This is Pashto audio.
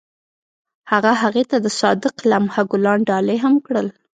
هغه هغې ته د صادق لمحه ګلان ډالۍ هم کړل.